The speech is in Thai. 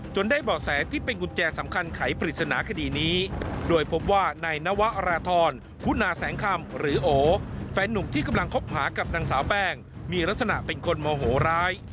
ได้เบาะแสที่เป็นกุญแจสำคัญไขปริศนาคดีนี้โดยพบว่านายนวราธรคุณาแสงคำหรือโอแฟนหนุ่มที่กำลังคบหากับนางสาวแป้งมีลักษณะเป็นคนโมโหร้าย